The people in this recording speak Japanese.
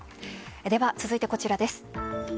では、続いてこちらです。